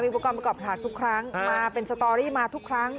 อุปกรณ์ประกอบฉากทุกครั้งมาเป็นสตอรี่มาทุกครั้ง